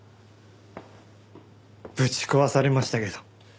ぶち壊されましたけど。